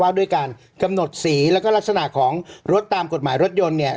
ด้วยการกำหนดสีแล้วก็ลักษณะของรถตามกฎหมายรถยนต์เนี่ย